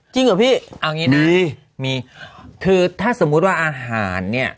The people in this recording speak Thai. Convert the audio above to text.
จริงเหรอพี่มีอีกอ้างี้นะถ้าสมมติอาหารเนี่ย